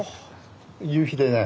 夕日でね